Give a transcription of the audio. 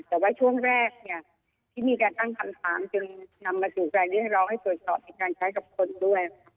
แต่ว่าช่วงแรกเนี่ยที่มีการตั้งคำถามจึงนำมาสู่การเรียกร้องให้ตรวจสอบในการใช้กับคนด้วย